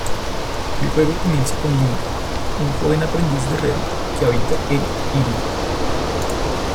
El juego comienza con Link, un joven aprendiz de herrero que habita en Hyrule.